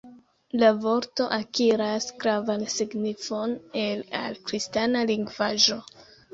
La vorto akiras gravan signifon el al kristana lingvaĵo.